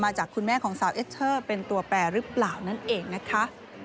จากคุณแม่ของสาวเอสเตอร์เป็นตัวแปรหรือเปล่านั่นเองนะคะ